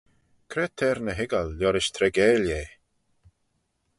Cre t'er ny hoiggal liorish treigeil eh?